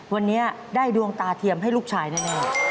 วันนี้ได้ดวงตาเทียมให้ลูกชายแน่